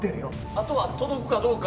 あとは届くかどうか。